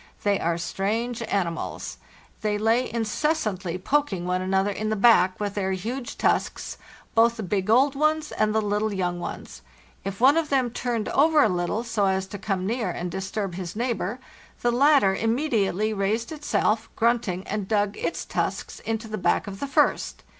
They are strange animals. They lay incessantly poking one an other in the back with their huge tusks, both the big old ones and the little young ones. If one of them turned over a little, so as to come near and disturb his neighbor, the latter immediately raised itself, grunting, and dug its tusks into the back of the first.